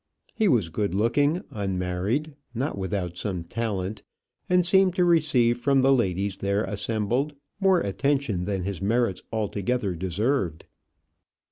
He was good looking, unmarried, not without some talent, and seemed to receive from the ladies there assembled more attention than his merits altogether deserved.